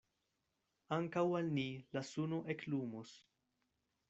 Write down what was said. Ankaŭ al ni la suno eklumos.